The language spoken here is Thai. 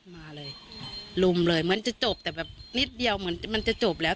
มาเลยลุมเลยเหมือนจะจบแต่แบบนิดเดียวเหมือนมันจะจบแล้ว